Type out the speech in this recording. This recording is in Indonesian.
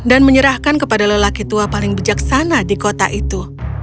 dan menyerahkan kepada lelaki tua paling bijaksana di kota itu